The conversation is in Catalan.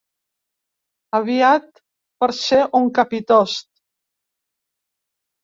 Aviat per ser un capitost.